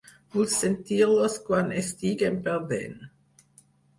Vull sentir-los quan estiguem perdent.